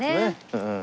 うん。